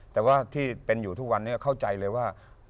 แต่ว่าที่เป็นอยู่ทุกวันนี้เข้าใจเลยว่า